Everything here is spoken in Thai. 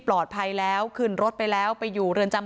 พร้อมด้วยผลตำรวจเอกนรัฐสวิตนันอธิบดีกรมราชทัน